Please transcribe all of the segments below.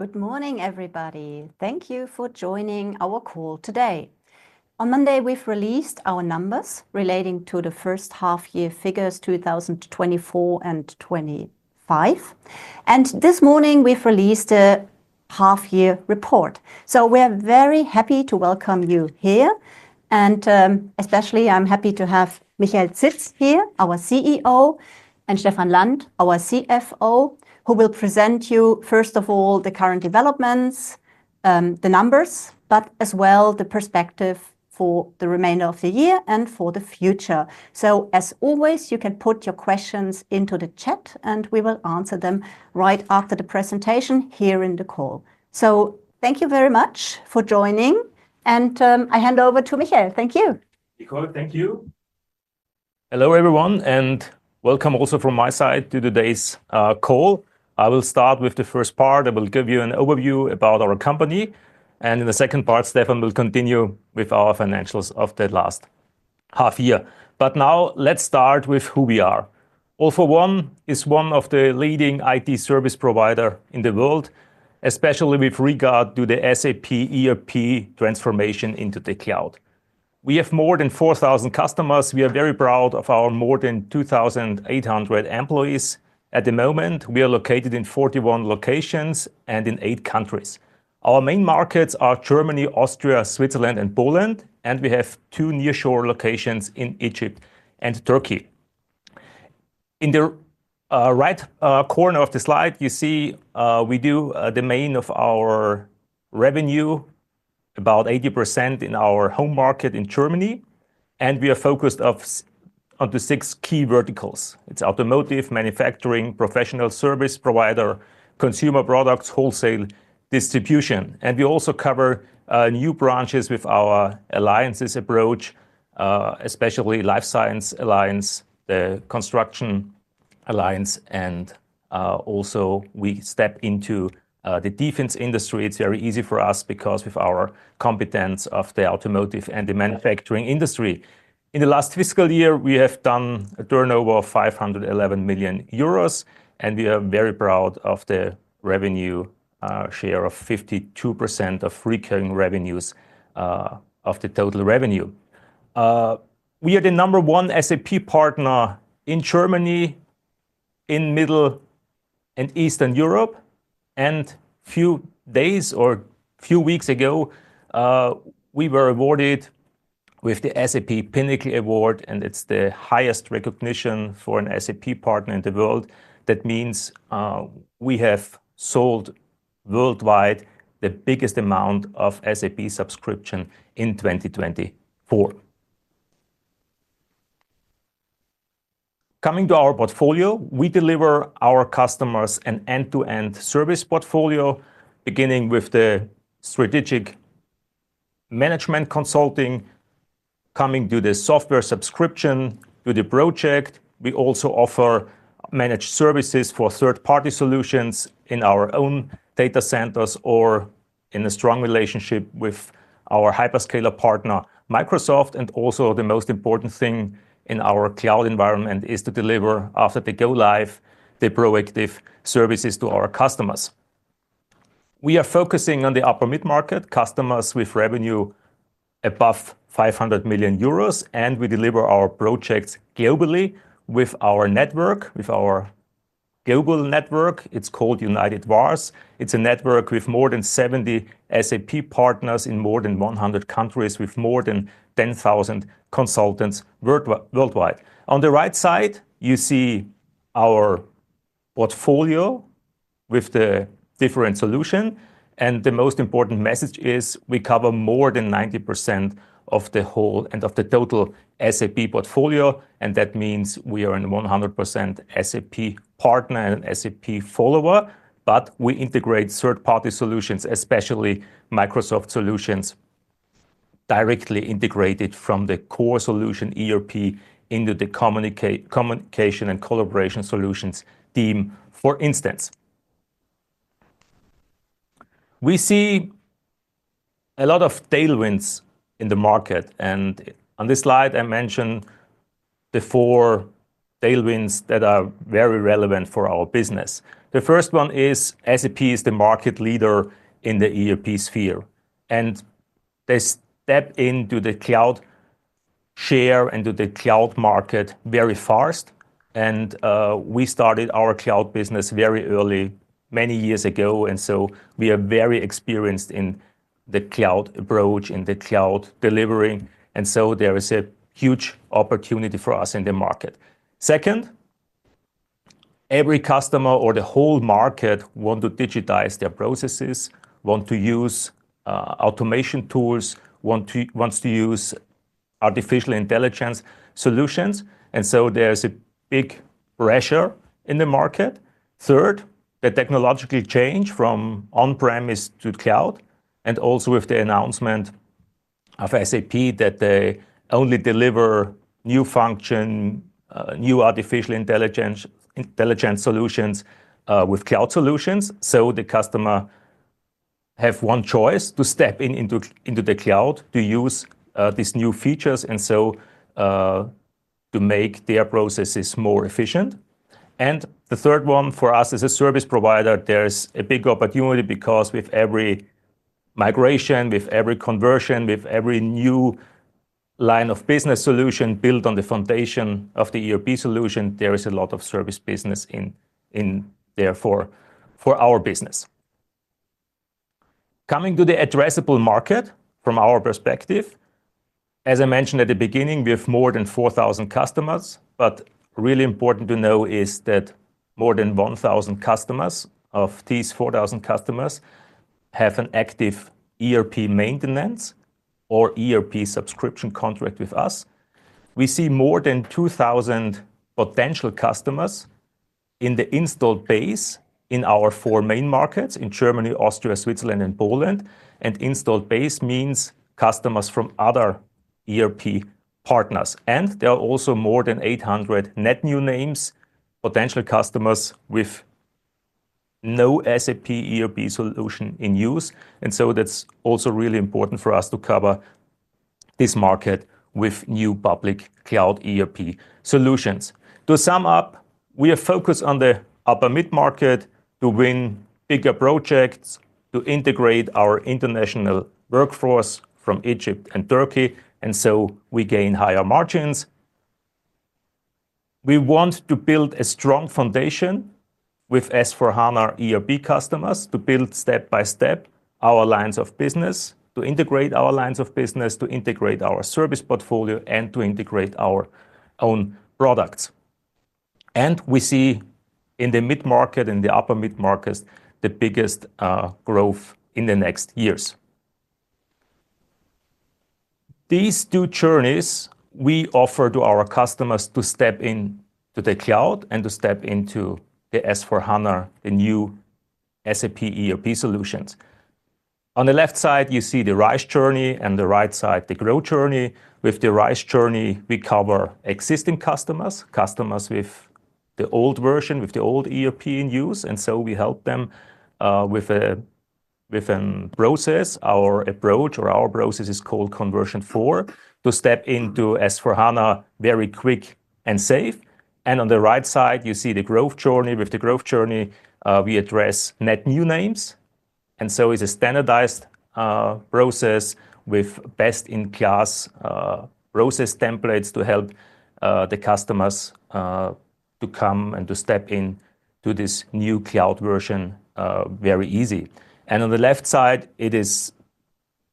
Good morning, everybody. Thank you for joining our call today. On Monday, we've released our numbers relating to the first half year figures 2024 and 2025. This morning, we've released a half year report. We are very happy to welcome you here. Especially, I'm happy to have Michael Zitz here, our CEO, and Stefan Land, our CFO, who will present you, first of all, the current developments, the numbers, but as well, the perspective for the remainder of the year and for the future. As always, you can put your questions into the chat, and we will answer them right after the presentation here in the call. Thank you very much for joining, and I hand over to Michael. Thank you. Nicole, thank you. Hello, everyone, and welcome also from my side to today's call. I will start with the first part. I will give you an overview about our company. In the second part, Stefan will continue with our financials of the last half year. Now let's start with who we are. All for One is one of the leading IT service provider in the world, especially with regard to the SAP ERP transformation into the cloud. We have more than 4,000 customers. We are very proud of our more than 2,800 employees. At the moment, we are located in 41 locations and in eight countries. Our main markets are Germany, Austria, Switzerland and Poland, and we have two nearshore locations in Egypt and Turkey. In the right corner of the slide, you see we do the main of our revenue, about 80% in our home market in Germany, and we are focused on the six key verticals. It's automotive, manufacturing, professional service provider, consumer products, wholesale, distribution. We also cover new branches with our alliances approach, especially life science alliance, the construction alliance, and also we step into the defense industry. It's very easy for us because with our competence of the automotive and the manufacturing industry. In the last fiscal year, we have done a turnover of 511 million euros, and we are very proud of the revenue share of 52% of recurring revenues of the total revenue. We are the number one SAP partner in Germany, in Middle and Eastern Europe. Few days or few weeks ago, we were awarded with the SAP Pinnacle Award, and it's the highest recognition for an SAP partner in the world. That means we have sold worldwide the biggest amount of SAP subscription in 2024. Coming to our portfolio, we deliver our customers an end-to-end service portfolio, beginning with the strategic management consulting, coming to the software subscription, to the project. We also offer managed services for third party solutions in our own data centers or in a strong relationship with our hyperscaler partner, Microsoft, and also the most important thing in our cloud environment is to deliver, after they go live, the proactive services to our customers. We are focusing on the upper mid-market, customers with revenue above 500 million euros. We deliver our projects globally with our network, with our global network. It's called United VARs. It's a network with more than 70 SAP partners in more than 100 countries with more than 10,000 consultants worldwide. On the right side, you see our portfolio with the different solution. The most important message is we cover more than 90% of the whole and of the total SAP portfolio. That means we are in 100% SAP partner and SAP follower, but we integrate third party solutions, especially Microsoft solutions, directly integrated from the core solution ERP into the communication and collaboration solutions team, for instance. We see a lot of tailwinds in the market. On this slide, I mention the four tailwinds that are very relevant for our business. The first one is SAP is the market leader in the ERP sphere. They step into the cloud share and to the cloud market very fast. We started our cloud business very early many years ago. We are very experienced in the cloud approach, in the cloud delivering. There is a huge opportunity for us in the market. Second, every customer or the whole market want to digitize their processes, want to use automation tools, wants to use artificial intelligence solutions. There's a big pressure in the market. Third, the technological change from on-premise to cloud. Also with the announcement of SAP that they only deliver new function, new artificial intelligence solutions with cloud solutions, the customer have one choice to step in into the cloud to use these new features to make their processes more efficient. The third one for us as a service provider, there's a big opportunity because with every migration, with every conversion, with every new line of business solution built on the foundation of the ERP solution, there is a lot of service business in there for our business. Coming to the addressable market from our perspective, as I mentioned at the beginning, we have more than 4,000 customers, but really important to know is that more than 1,000 customers of these 4,000 customers have an active ERP maintenance or ERP subscription contract with us. We see more than 2,000 potential customers in the installed base in our four main markets, in Germany, Austria, Switzerland, and Poland. Installed base means customers from other ERP partners. There are also more than 800 net new names, potential customers with no SAP ERP solution in use. That's also really important for us to cover this market with new public cloud ERP solutions. To sum up, we are focused on the upper mid-market to win bigger projects, to integrate our international workforce from Egypt and Turkey. We gain higher margins. We want to build a strong foundation with S/4HANA ERP customers to build step by step our lines of business, to integrate our lines of business, to integrate our service portfolio, and to integrate our own products. We see in the mid-market and the upper mid-markets, the biggest growth in the next years. These two journeys we offer to our customers to step into the cloud and to step into the S/4HANA, the new SAP ERP solutions. On the left side, you see the RISE journey and the right side, the GROW journey. With the RISE journey, we cover existing customers with the old ERP in use. We help them with a process. Our approach or our process is called Conversion/4, to step into S/4HANA very quick and safe. On the right side, you see the GROW journey. With the GROW journey, we address net new names. It's a standardized process with best-in-class process templates to help the customers to come and to step in to this new cloud version very easy. On the left side, it is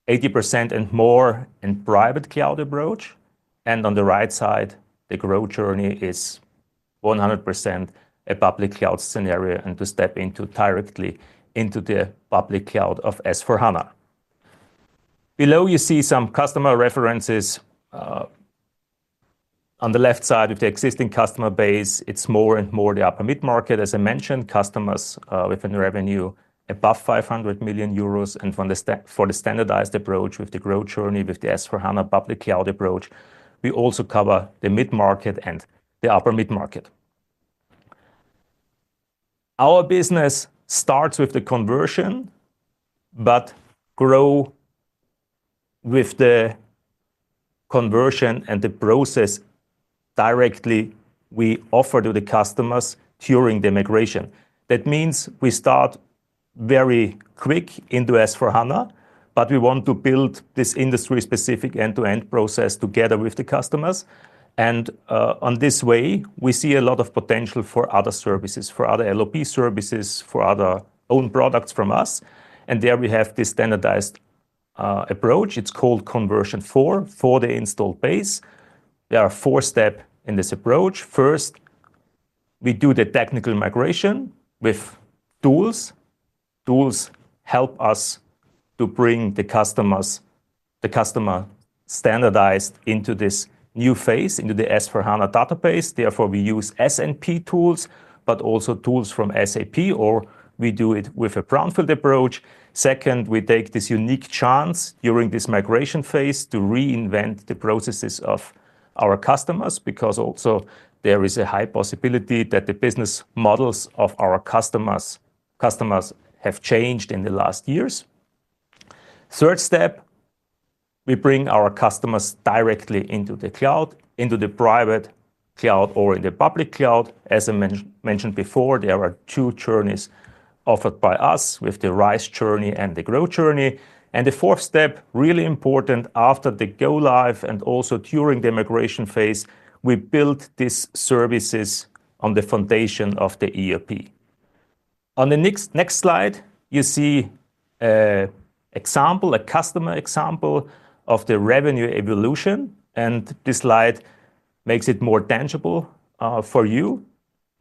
80% and more in private cloud approach. On the right side, the GROW journey is 100% a public cloud scenario and to step directly into the public cloud of S/4HANA. Below, you see some customer references. On the left side with the existing customer base, it's more and more the upper mid market, as I mentioned, customers with a revenue above 500 million euros. For the standardized approach with the GROW journey with the S/4HANA public cloud approach, we also cover the mid market and the upper mid market. Our business starts with the Conversion/4, but grow with the Conversion/4 and the process directly we offer to the customers during the migration. That means we start very quick into S/4HANA, but we want to build this industry specific end-to-end process together with the customers. On this way, we see a lot of potential for other services, for other LOB services, for other own products from us. There we have the standardized approach. It's called Conversion/4 for the installed base. There are four step in this approach. First, we do the technical migration with tools. Tools help us to bring the customer standardized into this new phase, into the S/4HANA database. Therefore, we use SNP tools, but also tools from SAP, or we do it with a brownfield approach. Second, we take this unique chance during this migration phase to reinvent the processes of our customers because also there is a high possibility that the business models of our customers have changed in the last years. Third step, we bring our customers directly into the cloud, into the private cloud or in the public cloud. As I mentioned before, there are two journeys offered by us with the RISE journey and the GROW journey. The fourth step, really important after the go live and also during the migration phase, we built these services on the foundation of the ERP. On the next slide, you see a customer example of the revenue evolution. This slide makes it more tangible for you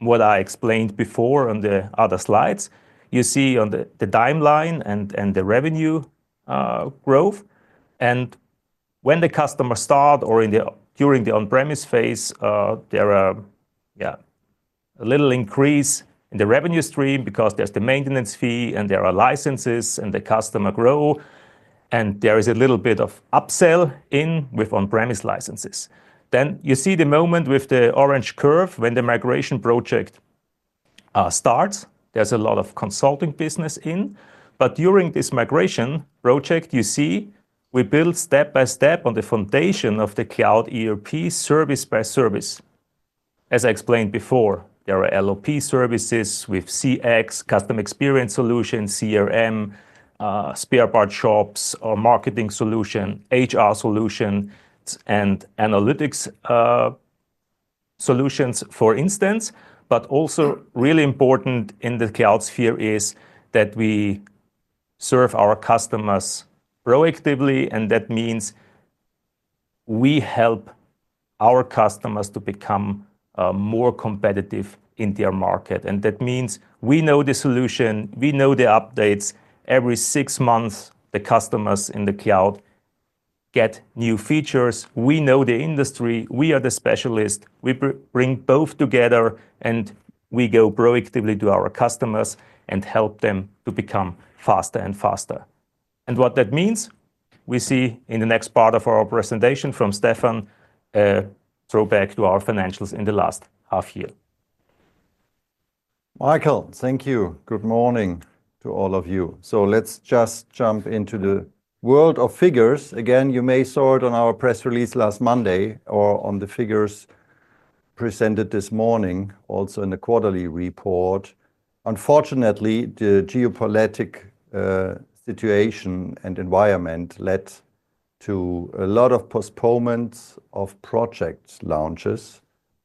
what I explained before on the other slides. You see on the timeline and the revenue growth. When the customer start or during the on-premise phase, there are a little increase in the revenue stream because there's the maintenance fee and there are licenses and the customer grow, and there is a little bit of upsell in with on-premise licenses. You see the moment with the orange curve when the migration project starts. There's a lot of consulting business in, but during this migration project, you see we build step by step on the foundation of the cloud ERP service by service. As I explained before, there are LOB services with CX, customer experience solution, CRM, spare part shops, or marketing solution, HR solution, and analytics solutions, for instance. Also really important in the cloud sphere is that we serve our customers proactively, and that means we help our customers to become more competitive in their market. That means we know the solution, we know the updates. Every six months, the customers in the cloud get new features. We know the industry. We are the specialist. We bring both together and we go proactively to our customers and help them to become faster and faster. What that means, we see in the next part of our presentation from Stefan, a throwback to our financials in the last half-year. Michael, thank you. Good morning to all of you. Let's just jump into the world of figures. Again, you may saw it on our press release last Monday or on the figures presented this morning, also in the quarterly report. Unfortunately, the geopolitical situation and environment led to a lot of postponements of project launches,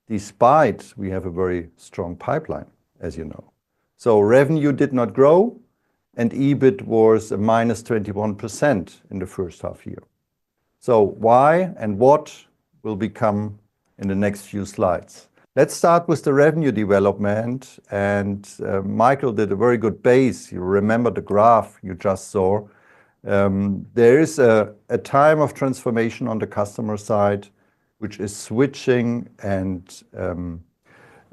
despite we have a very strong pipeline, as you know. Revenue did not grow, and EBIT was -21% in the first half-year. Why and what will become in the next few slides. Let's start with the revenue development, and Michael did a very good base. You remember the graph you just saw. There's a time of transformation on the customer side, which is switching and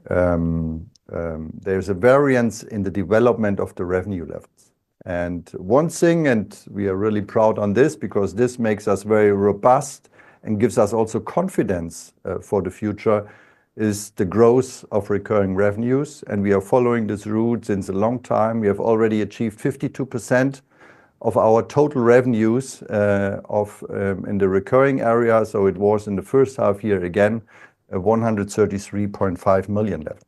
there's a variance in the development of the revenue levels. One thing, we are really proud on this because this makes us very robust and gives us also confidence for the future, is the growth of recurring revenues, and we are following this route since a long time. We have already achieved 52% of our total revenues in the recurring area, so it was in the first half-year, again, a 133.5 million level.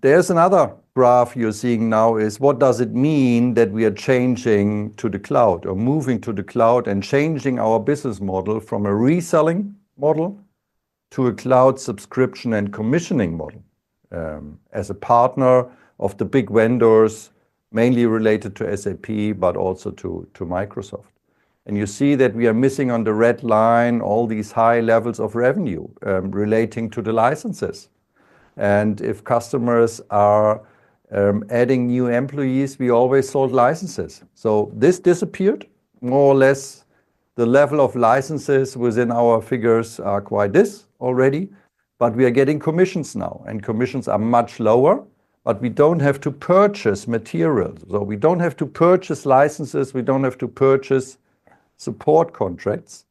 There's another graph you're seeing now is what does it mean that we are changing to the cloud or moving to the cloud and changing our business model from a reselling model to a cloud subscription and commissioning model as a partner of the big vendors, mainly related to SAP, but also to Microsoft. You see that we are missing on the red line all these high levels of revenue relating to the licenses. If customers are adding new employees, we always sold licenses. This disappeared. More or less, the level of licenses within our figures are quite this already, but we are getting commissions now, and commissions are much lower, but we don't have to purchase materials. We don't have to purchase licenses, we don't have to purchase support contracts,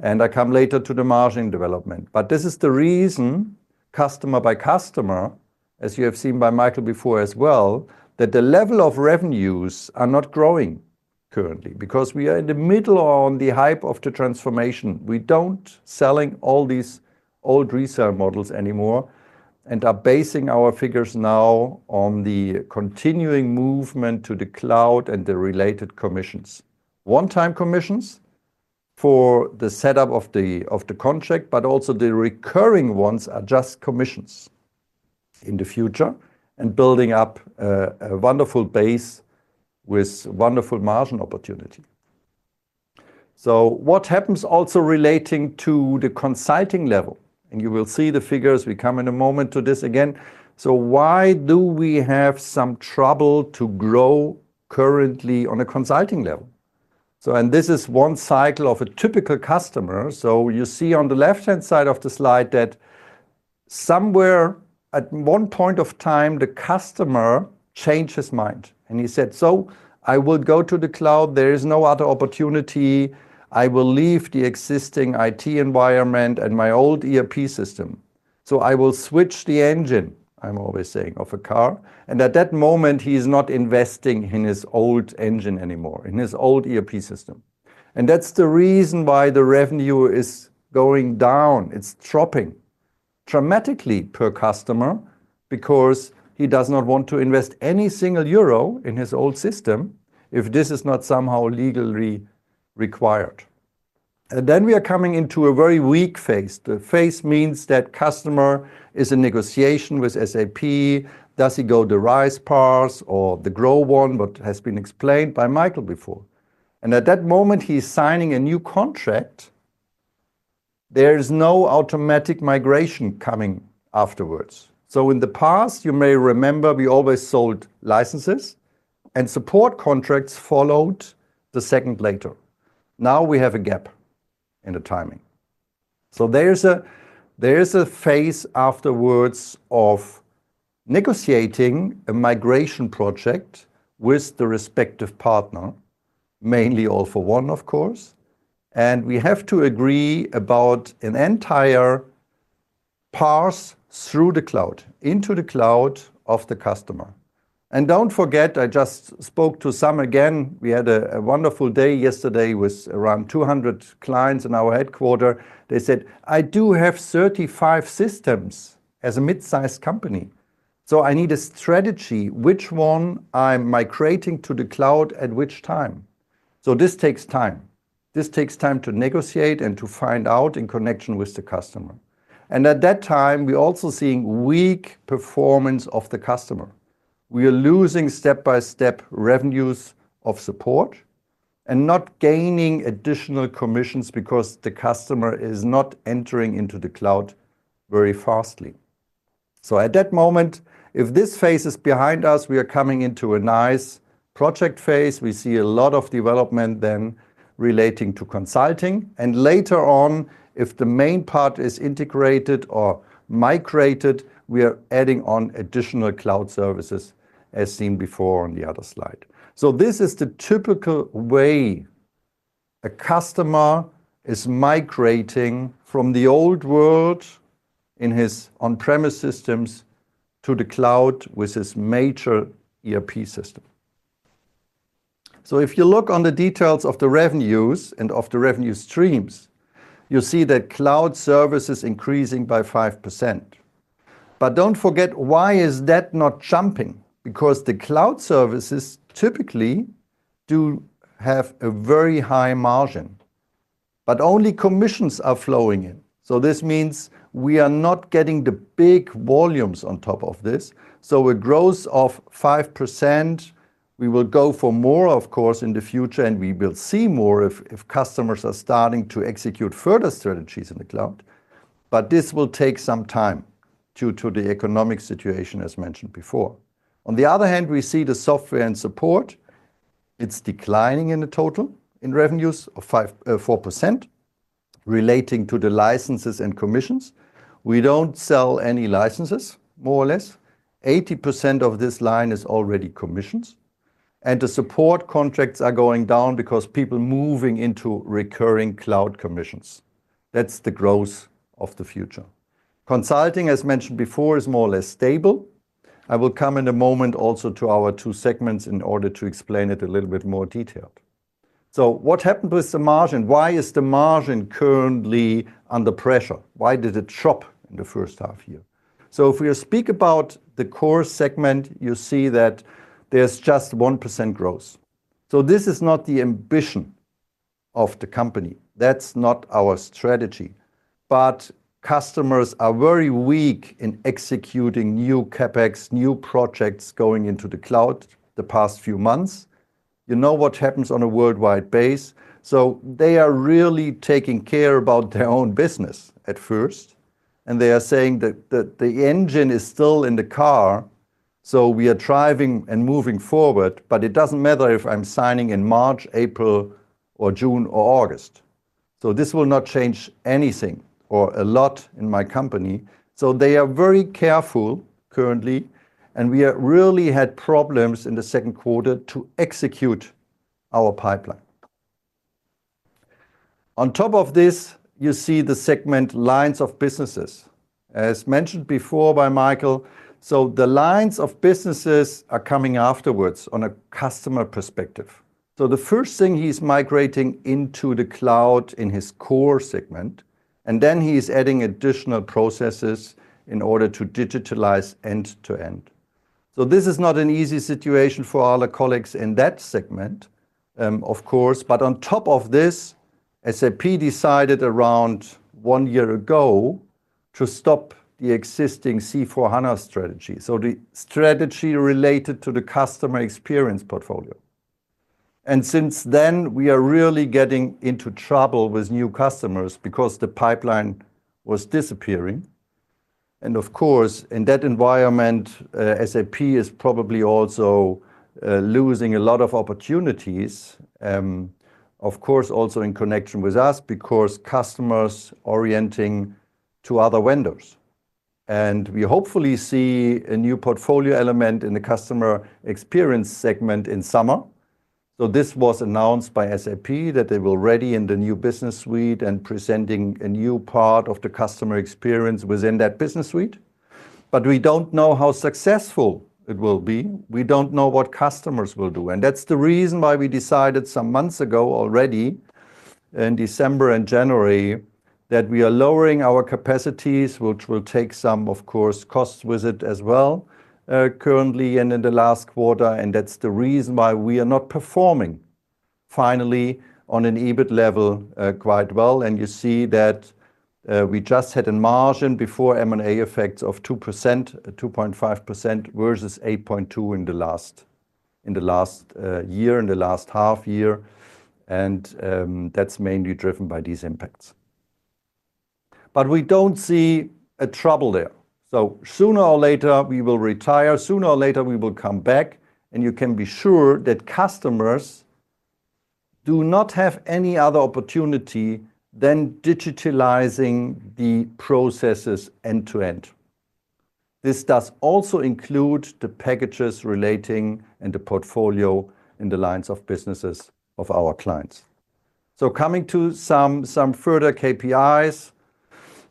and I come later to the margin development. This is the reason, customer by customer, as you have seen by Michael before as well, that the level of revenues are not growing currently, because we are in the middle on the hype of the transformation. We don't selling all these old resale models anymore and are basing our figures now on the continuing movement to the cloud and the related commissions. One-time commissions for the setup of the contract, but also the recurring ones are just commissions in the future, and building up a wonderful base with wonderful margin opportunity. What happens also relating to the consulting level, and you will see the figures, we come in a moment to this again. Why do we have some trouble to grow currently on a consulting level? This is one cycle of a typical customer. You see on the left-hand side of the slide that somewhere at one point of time, the customer changed his mind, and he said, "I will go to the cloud. There is no other opportunity. I will leave the existing IT environment and my old ERP system. I will switch the engine," I'm always saying, of a car. At that moment, he is not investing in his old engine anymore, in his old ERP system. That's the reason why the revenue is going down. It's dropping dramatically per customer because he does not want to invest any single euro in his old system if this is not somehow legally required. Then we are coming into a very weak phase. The phase means that customer is in negotiation with SAP. Does he go the RISE or the GROW, what has been explained by Michael before? At that moment, he's signing a new contract. There is no automatic migration coming afterwards. In the past, you may remember, we always sold licenses, and support contracts followed the second later. Now we have a gap in the timing. There is a phase afterwards of negotiating a migration project with the respective partner, mainly All for One, of course, and we have to agree about an entire path through the cloud, into the cloud of the customer. Don't forget, I just spoke to Sam again, we had a wonderful day yesterday with around 200 clients in our headquarter. They said, "I do have 35 systems as a mid-size company, so I need a strategy which one I'm migrating to the cloud at which time." This takes time. This takes time to negotiate and to find out in connection with the customer. At that time, we're also seeing weak performance of the customer. We are losing, step by step, revenues of support and not gaining additional commissions because the customer is not entering into the cloud very fastly. At that moment, if this phase is behind us, we are coming into a nice project phase. We see a lot of development then relating to consulting. Later on, if the main part is integrated or migrated, we are adding on additional cloud services as seen before on the other slide. This is the typical way a customer is migrating from the old world in his on-premise systems to the cloud with his major ERP system. If you look on the details of the revenues and of the revenue streams, you see that cloud service is increasing by 5%. Don't forget, why is that not jumping? Because the cloud services typically do have a very high margin, but only commissions are flowing in. This means we are not getting the big volumes on top of this. A growth of 5%, we will go for more, of course, in the future, and we will see more if customers are starting to execute further strategies in the cloud. This will take some time due to the economic situation, as mentioned before. On the other hand, we see the software and support. It is declining in the total in revenues of 4%, relating to the licenses and commissions. We do not sell any licenses, more or less. 80% of this line is already commissions, and the support contracts are going down because people moving into recurring cloud commissions. That is the growth of the future. Consulting, as mentioned before, is more or less stable. I will come in a moment also to our two segments in order to explain it a little bit more detailed. What happened with the margin? Why is the margin currently under pressure? Why did it drop in the first half year? If we speak about the core segment, you see that there is just 1% growth. This is not the ambition of the company. That is not our strategy. Customers are very weak in executing new CapEx, new projects going into the cloud the past few months. You know what happens on a worldwide base. They are really taking care about their own business at first, and they are saying that the engine is still in the car, so we are driving and moving forward, but it does not matter if I am signing in March, April, or June, or August. This will not change anything or a lot in my company. They are very careful currently, and we really had problems in the second quarter to execute our pipeline. On top of this, you see the segment lines of businesses. As mentioned before by Michael, the lines of businesses are coming afterwards on a customer perspective. The first thing he is migrating into the cloud in his core segment, and then he is adding additional processes in order to digitalize end to end. This is not an easy situation for our colleagues in that segment, of course. On top of this, SAP decided around one year ago to stop the existing SAP C/4HANA strategy, the strategy related to the customer experience portfolio. Since then, we are really getting into trouble with new customers because the pipeline was disappearing. Of course, in that environment, SAP is probably also losing a lot of opportunities. Of course, also in connection with us because customers orienting to other vendors. We hopefully see a new portfolio element in the customer experience segment in summer. This was announced by SAP that they will ready in the new business suite and presenting a new part of the customer experience within that business suite. We do not know how successful it will be. We do not know what customers will do. That is the reason why we decided some months ago already, in December and January, that we are lowering our capacities, which will take some, of course, costs with it as well, currently and in the last quarter, and that is the reason why we are not performing finally on an EBIT level quite well. You see that we just had a margin before M&A effects of 2%, 2.5% versus 8.2% in the last year, in the last half year, and that is mainly driven by these impacts. We don't see a trouble there. Sooner or later, we will retire. Sooner or later, we will come back, and you can be sure that customers do not have any other opportunity than digitalizing the processes end to end. This does also include the packages relating and the portfolio in the lines of businesses of our clients. Coming to some further KPIs,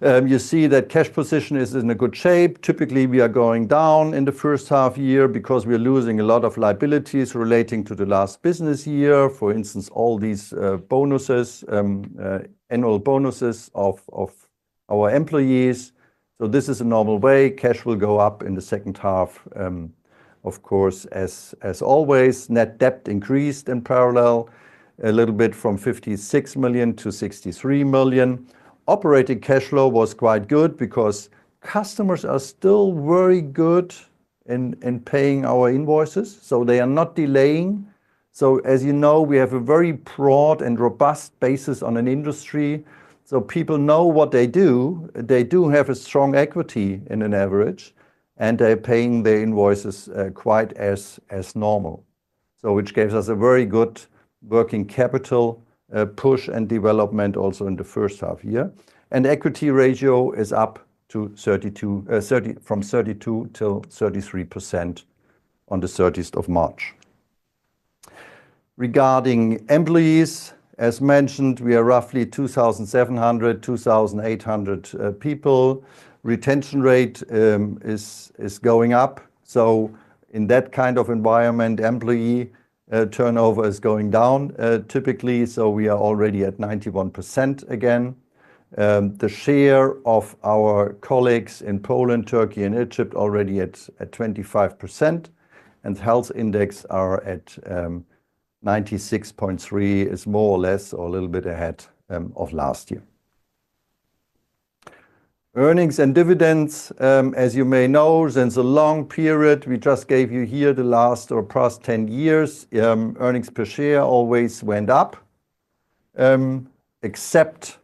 you see that cash position is in a good shape. Typically, we are going down in the first half year because we are losing a lot of liabilities relating to the last business year, for instance, all these bonuses, annual bonuses of our employees. This is a normal way. Cash will go up in the second half, of course, as always. Net debt increased in parallel a little bit from 56 million to 63 million. Operating cash flow was quite good because customers are still very good in paying our invoices, so they are not delaying. As you know, we have a very broad and robust basis on an industry, so people know what they do. They do have a strong equity in an average, and they're paying their invoices quite as normal. Which gives us a very good working capital, push, and development also in the first half year. Equity ratio is up from 32% to 33% on March 30. Regarding employees, as mentioned, we are roughly 2,700, 2,800 people. Retention rate is going up. In that kind of environment, employee turnover is going down, typically. We are already at 91% again. The share of our colleagues in Poland, Turkey, and Egypt already at 25%, health index are at 96.3, is more or less or a little bit ahead of last year. Earnings and dividends, as you may know, since a long period, we just gave you here the last or past 10 years, earnings per share always went up, except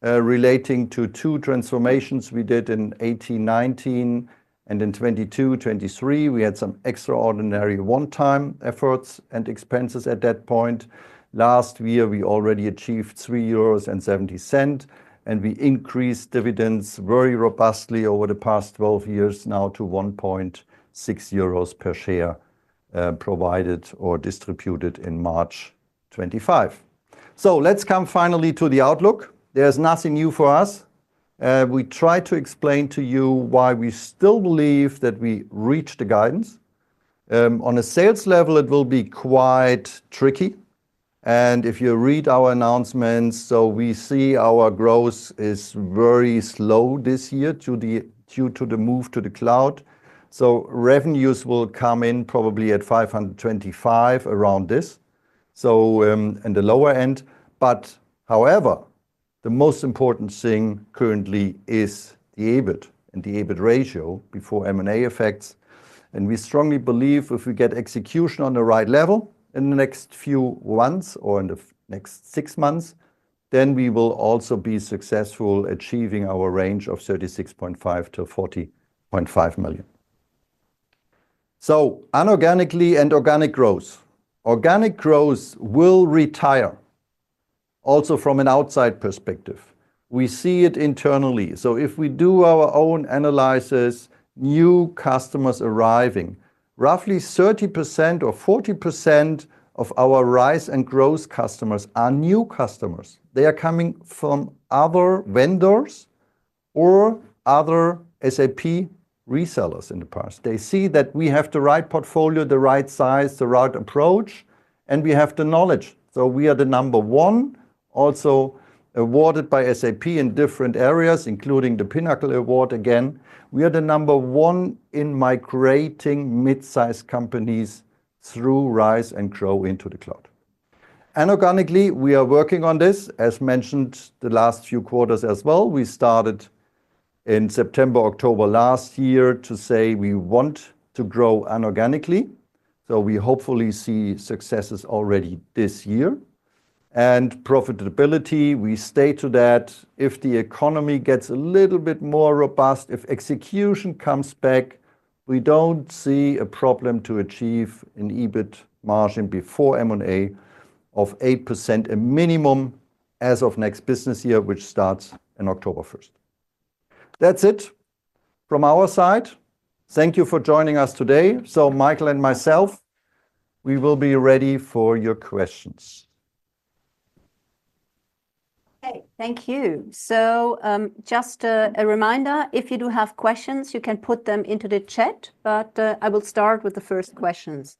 relating to two transformations we did in 2018, 2019, and in 2022, 2023. We had some extraordinary one-time efforts and expenses at that point. Last year, we already achieved €3.70, and we increased dividends very robustly over the past 12 years now to €1.6 per share, provided or distributed in March 2025. Let's come finally to the outlook. There is nothing new for us. We try to explain to you why we still believe that we reach the guidance. On a sales level, it will be quite tricky. If you read our announcements, so we see our growth is very slow this year due to the move to the cloud. Revenues will come in probably at 525 million around this. In the lower end. However, the most important thing currently is the EBIT and the EBIT ratio before M&A effects. We strongly believe if we get execution on the right level in the next few months or in the next six months, we will also be successful achieving our range of 36.5 million to 40.5 million. Inorganically and organic growth. Organic growth will retire also from an outside perspective. We see it internally. If we do our own analysis, new customers arriving, roughly 30% or 40% of our RISE and GROW customers are new customers. They are coming from other vendors or other SAP resellers in the past. They see that we have the right portfolio, the right size, the right approach, and we have the knowledge. We are the number one, also awarded by SAP in different areas, including the Pinnacle Award, again. We are the number one in migrating mid-size companies through RISE and GROW into the cloud. Anorganically, we are working on this, as mentioned the last few quarters as well. We started in September, October last year to say we want to grow anorganically. We hopefully see successes already this year. Profitability, we stated that if the economy gets a little bit more robust, if execution comes back, we don't see a problem to achieve an EBIT margin before M&A of 8% a minimum as of next business year, which starts in October 1st. That's it from our side. Thank you for joining us today. Michael and myself, we will be ready for your questions. Okay. Thank you. Just a reminder, if you do have questions, you can put them into the chat, but I will start with the first questions.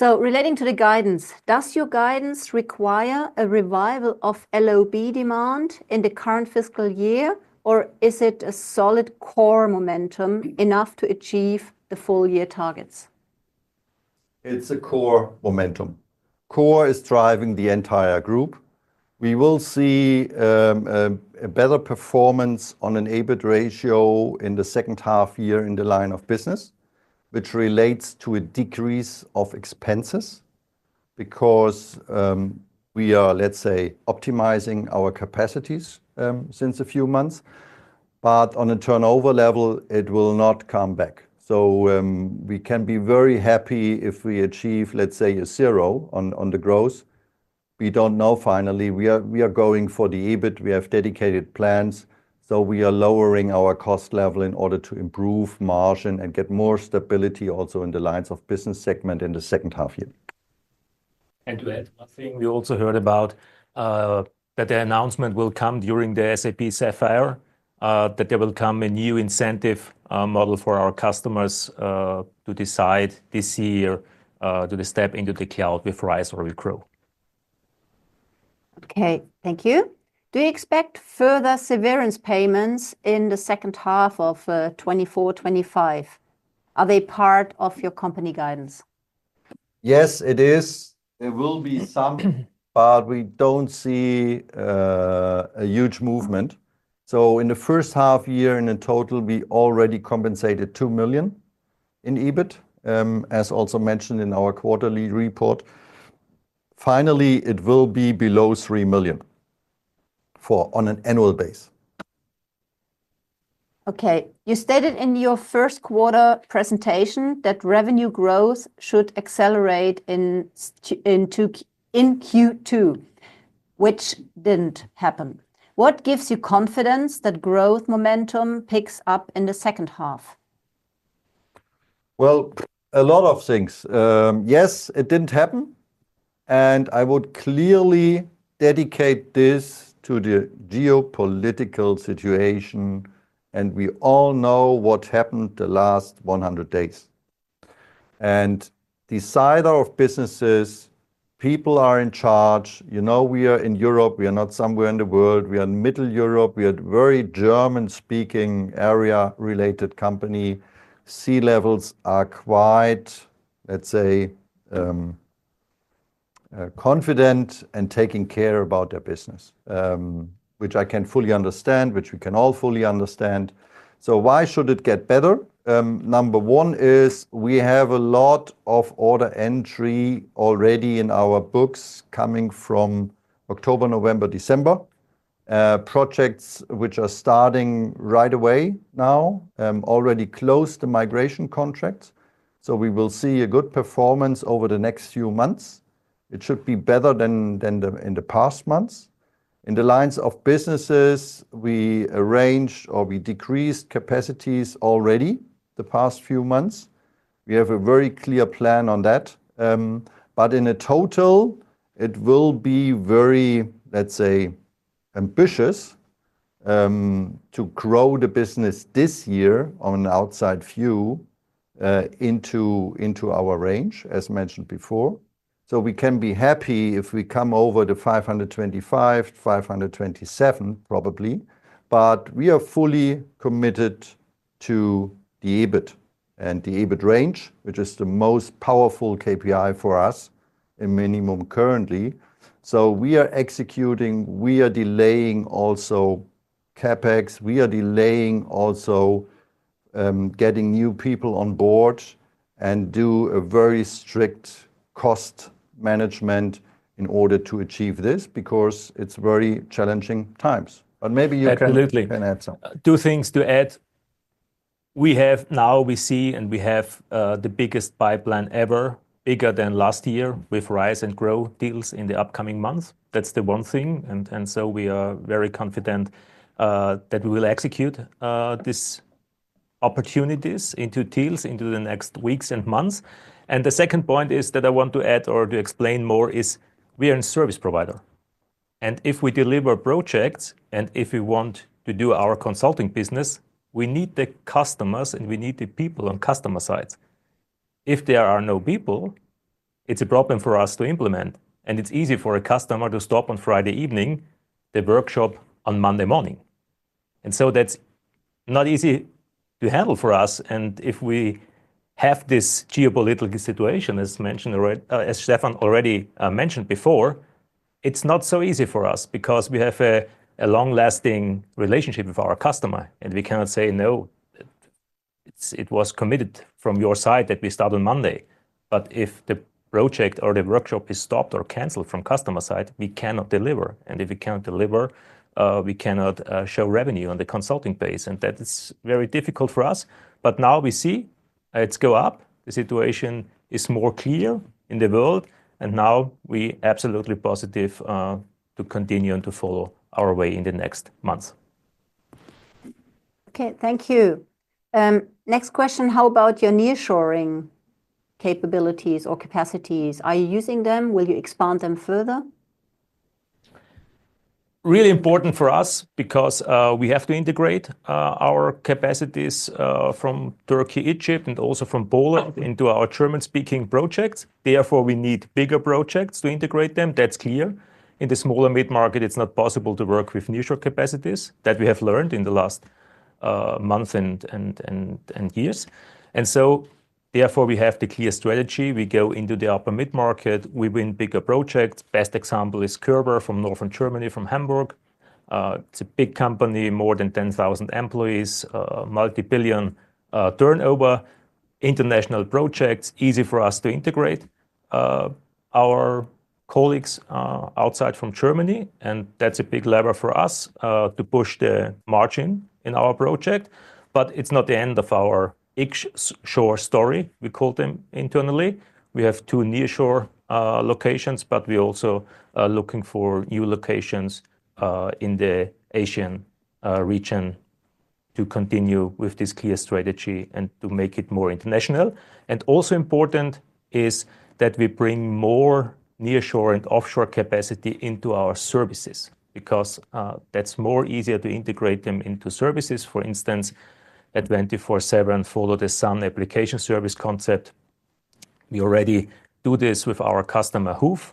Relating to the guidance, does your guidance require a revival of LOB demand in the current fiscal year, or is it a solid core momentum enough to achieve the full year targets? It's a core momentum. Core is driving the entire group. We will see a better performance on an EBIT ratio in the second half year in the line of business, which relates to a decrease of expenses because we are, let's say, optimizing our capacities since a few months, but on a turnover level, it will not come back. We can be very happy if we achieve, let's say, a zero on the growth. We don't know, finally. We are going for the EBIT. We have dedicated plans. We are lowering our cost level in order to improve margin and get more stability also in the lines of business segment in the second half year. To add one thing, we also heard about that the announcement will come during the SAP Sapphire, that there will come a new incentive model for our customers to decide this year, do they step into the cloud with Rise or with Grow. Okay. Thank you. Do you expect further severance payments in the second half of 2024, 2025? Are they part of your company guidance? Yes, it is. There will be some, but we don't see a huge movement. In the first half year, in total, we already compensated 2 million in EBIT, as also mentioned in our quarterly report. Finally, it will be below 3 million on an annual base. Okay. You stated in your first quarter presentation that revenue growth should accelerate in Q2, which didn't happen. What gives you confidence that growth momentum picks up in the second half? Well, a lot of things. Yes, it didn't happen. I would clearly dedicate this to the geopolitical situation, and we all know what happened the last 100 days. The side of businesses, people are in charge. We are in Europe. We are not somewhere in the world. We are in middle Europe. We are very German-speaking area related company. C-levels are quite, let's say, confident and taking care about their business, which I can fully understand, which we can all fully understand. Why should it get better? Number one is we have a lot of order entry already in our books coming from October, November, December. Projects which are starting right away now, already closed the migration contract. We will see a good performance over the next few months. It should be better than in the past months. In the lines of businesses, we arranged or we decreased capacities already the past few months. We have a very clear plan on that. In a total, it will be very, let's say, ambitious to grow the business this year on an outside view into our range, as mentioned before. We can be happy if we come over the 525 million-527 million probably. We are fully committed to the EBIT and the EBIT range, which is the most powerful KPI for us in minimum currently. We are executing. We are delaying also CapEx. We are delaying also getting new people on board and do a very strict cost management in order to achieve this because it's very challenging times. Maybe you can add something. Absolutely. Two things to add. Now we see and we have the biggest pipeline ever, bigger than last year with RISE and GROW deals in the upcoming months. That's the one thing. We are very confident that we will execute these opportunities into deals into the next weeks and months. The second point is that I want to add or to explain more is we are a service provider, and if we deliver projects and if we want to do our consulting business, we need the customers and we need the people on customer sides. If there are no people, it's a problem for us to implement, and it's easy for a customer to stop on Friday evening the workshop on Monday morning. That's not easy to handle for us, and if we have this geopolitical situation, as Stefan already mentioned before, it's not so easy for us because we have a long-lasting relationship with our customer, and we cannot say, no, it was committed from your side that we start on Monday. If the project or the workshop is stopped or canceled from customer side, we cannot deliver. If we cannot deliver, we cannot show revenue on the consulting base, and that is very difficult for us. Now we see it go up. The situation is more clear in the world, and now we're absolutely positive to continue and to follow our way in the next months. Okay. Thank you. Next question. How about your nearshoring capabilities or capacities? Are you using them? Will you expand them further? Really important for us because we have to integrate our capacities from Turkey, Egypt, and also from Poland into our German-speaking projects. Therefore, we need bigger projects to integrate them. That's clear. In the small and mid-market, it's not possible to work with nearshore capacities. That we have learned in the last months and years. Therefore, we have the clear strategy. We go into the upper mid-market. We win bigger projects. Best example is Körber from Northern Germany, from Hamburg. It's a big company, more than 10,000 employees, multi-billion turnover, international projects, easy for us to integrate our colleagues outside from Germany, and that's a big lever for us to push the margin in our project. It's not the end of our each shore story, we call them internally. We have two nearshore locations. We also are looking for new locations in the Asian region to continue with this clear strategy and to make it more international. Also important is that we bring more nearshore and offshore capacity into our services because that's more easier to integrate them into services. For instance, at 24/7, follow the sun application service concept. We already do this with our customer, HAAF.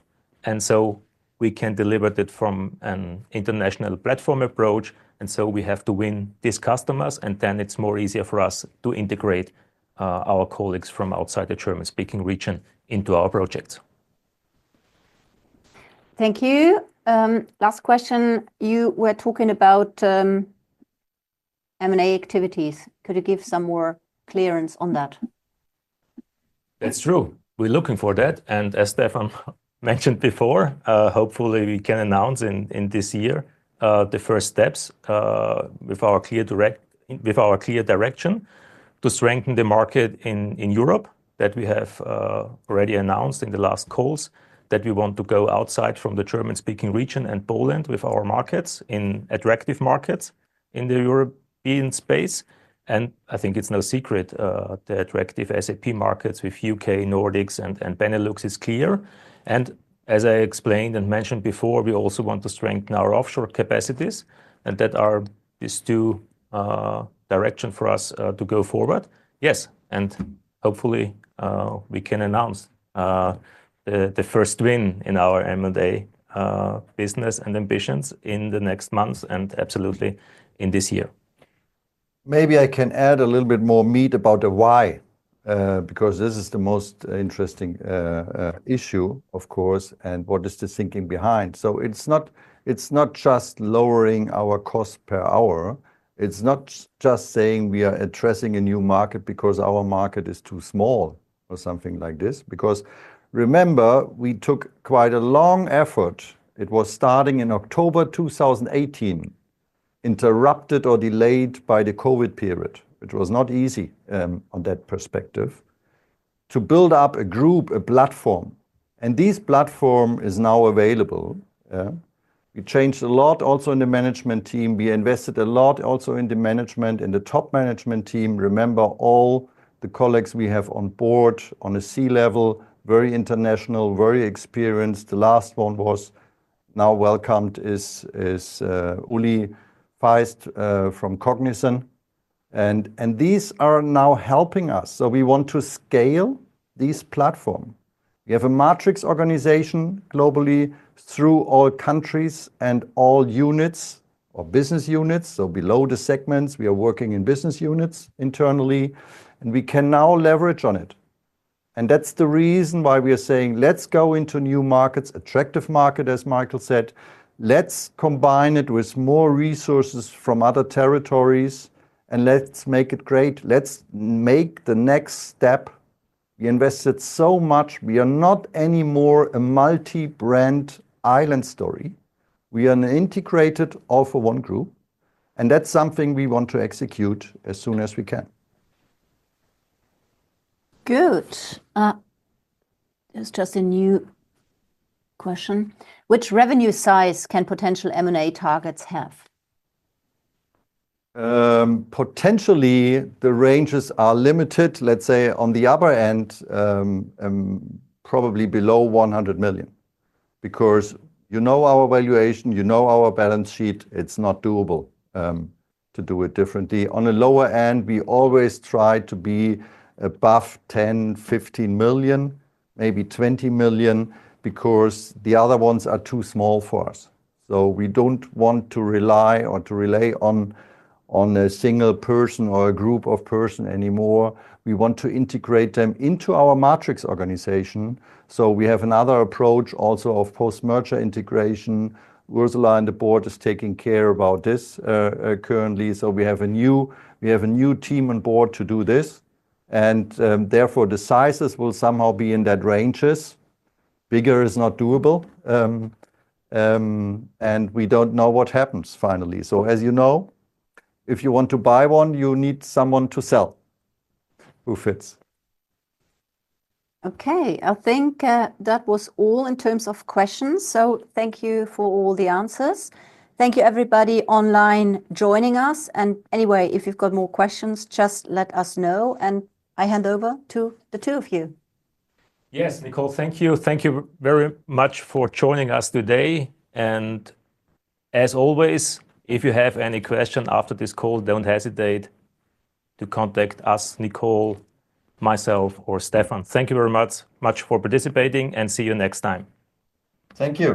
We can deliver it from an international platform approach. We have to win these customers, and then it's more easier for us to integrate our colleagues from outside the German-speaking region into our projects. Thank you. Last question. You were talking about M&A activities. Could you give some more clearance on that? That's true. We're looking for that, and as Stefan mentioned before, hopefully we can announce in this year, the first steps with our clear direction to strengthen the market in Europe that we have already announced in the last calls, that we want to go outside from the German-speaking region and Poland with our markets, in attractive markets in the European space. I think it's no secret, the attractive SAP markets with U.K., Nordics, and Benelux is clear. As I explained and mentioned before, we also want to strengthen our offshore capacities, and that are these two direction for us to go forward. Yes, hopefully we can announce the first win in our M&A business and ambitions in the next months and absolutely in this year. Maybe I can add a little bit more meat about the why. This is the most interesting issue, of course, and what is the thinking behind. It's not just lowering our cost per hour. It's not just saying we are addressing a new market because our market is too small or something like this. Remember, we took quite a long effort. It was starting in October 2018, interrupted or delayed by the COVID period. It was not easy on that perspective to build up a group, a platform, and this platform is now available. We changed a lot also in the management team. We invested a lot also in the management, in the top management team. Remember all the colleagues we have on board on a C-level, very international, very experienced. The last one was now welcomed is Ulrich Faisst from Cognizant. These are now helping us. We want to scale this platform. We have a matrix organization globally through all countries and all units or business units. Below the segments, we are working in business units internally, and we can now leverage on it. That's the reason why we are saying, let's go into new markets, attractive market, as Michael said. Let's combine it with more resources from other territories, and let's make it great. Let's make the next step. We invested so much. We are not anymore a multi-brand island story. We are an integrated All for One Group, and that's something we want to execute as soon as we can. Good. There's just a new question. Which revenue size can potential M&A targets have? Potentially, the ranges are limited, let's say on the upper end, probably below 100 million. Because you know our valuation, you know our balance sheet. It's not doable to do it differently. On a lower end, we always try to be above 10 million, 15 million, maybe 20 million because the other ones are too small for us. We don't want to rely or to relay on a single person or a group of person anymore. We want to integrate them into our matrix organization, so we have another approach also of post-merger integration. Ursula and the board is taking care about this currently. We have a new team on board to do this, and therefore, the sizes will somehow be in that ranges. Bigger is not doable, and we don't know what happens finally. As you know, if you want to buy one, you need someone to sell who fits. Okay. I think that was all in terms of questions, so thank you for all the answers. Thank you everybody online joining us, and anyway, if you've got more questions, just let us know, and I hand over to the two of you. Yes, Nicole. Thank you. Thank you very much for joining us today, and as always, if you have any question after this call, don't hesitate to contact us, Nicole, myself, or Stefan. Thank you very much for participating, and see you next time. Thank you.